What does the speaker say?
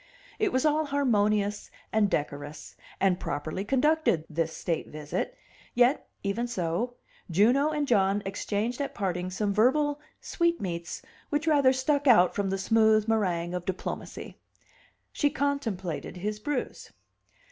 It was all harmonious, and decorous, and properly conducted, this state visit; yet even so, Juno and John exchanged at parting some verbal sweet meats which rather stuck out from the smooth meringue of diplomacy. She contemplated his bruise.